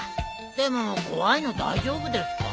でも怖いの大丈夫ですか？